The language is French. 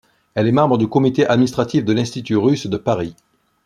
Elle est membre du comité administratif de l'institut russe de Paris.